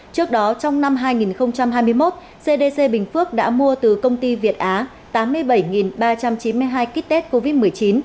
trước đó trong năm hai nghìn hai mươi một cdc bình phước đã mua từ công ty việt á tám mươi bảy ba trăm chín mươi hai kit test covid một mươi chín